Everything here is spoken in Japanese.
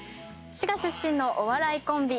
滋賀出身のお笑いコンビ